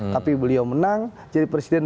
tapi beliau menang jadi presiden